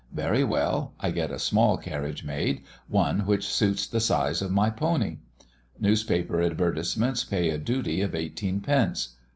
Very well. I get a small carriage made, one which suits the size of my pony. Newspaper advertisements pay a duty of eighteen pence.